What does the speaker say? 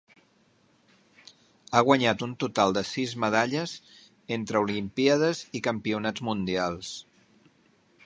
Ha guanyat un total de sis medalles entre Olimpíades i Campionats Mundials.